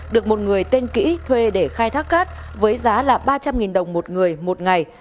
được một người tên kỹ thuê để khai thác cát với giá là ba trăm linh đồng một người một ngày